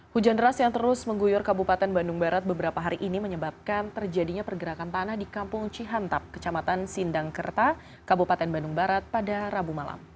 hujan deras yang terus mengguyur kabupaten bandung barat beberapa hari ini menyebabkan terjadinya pergerakan tanah di kampung cihantap kecamatan sindangkerta kabupaten bandung barat pada rabu malam